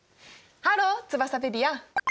ハローツバサペディア。